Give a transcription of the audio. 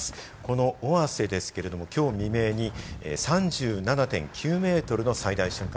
この尾鷲ですけれども、きょう未明に３７．９メートルの最大瞬間